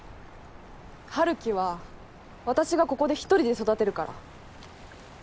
春樹は私がここで１人で育てるから。